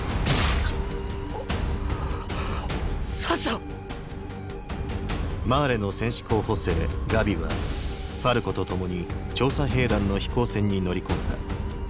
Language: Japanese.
サシャ⁉マーレの戦士候補生ガビはファルコとともに調査兵団の飛行船に乗り込んだ。